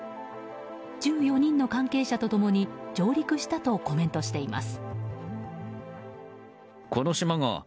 １４人の関係者と共に上陸したとコメントしています。